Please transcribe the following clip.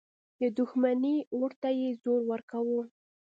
د دښمني اور ته یې زور ورکاوه.